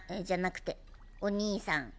じゃなくておにいさん。